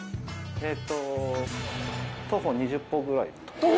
えっと徒歩２０歩ぐらいのとこ。